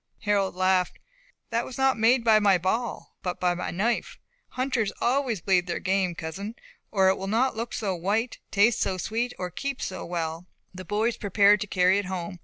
Harold laughed. "That was not made by my ball, but by my knife. Hunters always bleed their game, cousin, or it will not look so white, taste so sweet, nor keep so well." The boys prepared to carry it home.